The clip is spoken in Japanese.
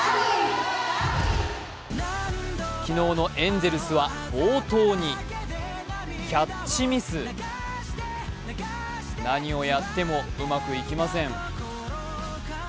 昨日のエンゼルスは暴投にキャッチミス、何をやってもうまくいきません。